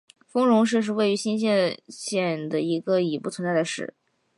丰荣市是位于新舄县的一个已不存在的市。